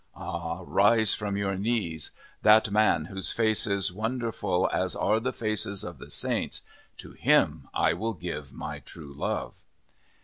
Ah, rise from your knees. That man, whose face is wonderful as are the faces of the saints, to him I will give my true love."